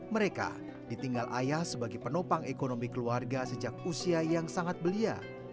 mereka ditinggal ayah sebagai penopang ekonomi keluarga sejak usia yang sangat belia